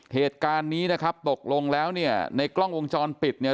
เหตุการณ์นี้นะครับตกลงแล้วเนี่ยในกล้องวงจรปิดเนี่ย